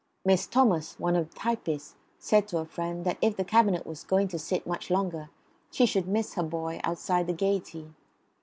Miss Thomas, one of the typists, said to her friend that if the Cabinet was going to sit much longer she should miss her boy outside the Gaiety.